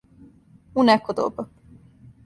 У неко доба.